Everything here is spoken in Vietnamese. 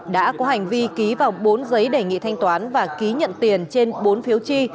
đã có hành vi ký vào bốn giấy đề nghị thanh toán và ký nhận tiền trên bốn phiếu chi